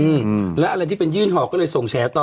อืมแล้วอะไรที่เป็นยื่นห่อก็เลยส่งแฉต่อ